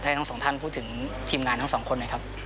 ให้ทั้งสองท่านพูดถึงทีมงานทั้งสองคนหน่อยครับ